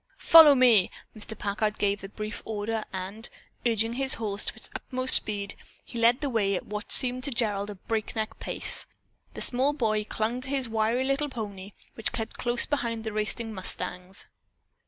"Follow me!" Mr. Packard gave the brief order, and, urging his horse to its utmost speed, he led the way at what seemed to Gerald a breakneck pace. The small boy clung to his wiry little pony, which kept close behind the racing mustangs.